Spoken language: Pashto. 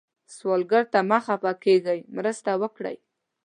سوالګر ته مه خفه کېږئ، مرسته وکړئ